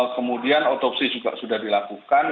kemudian otopsi juga sudah dilakukan